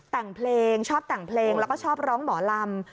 แต่งเพลงชอบแต่งเพลงแล้วก็ชอบร้องหมอลำ